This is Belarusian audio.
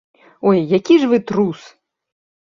Ой, які ж вы трус!